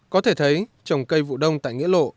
có thể thấy trồng cây vụ đông tại nghĩa lộ